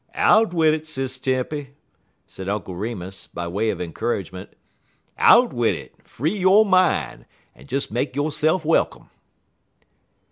"Out wid it, Sis Tempy," said Uncle Remus, by way of encouragement; "out wid it; free yo' min', en des make yo'se'f welcome."